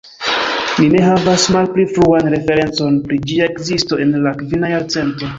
Ni ne havas malpli fruan referencon pri ĝia ekzisto en la kvina jarcento.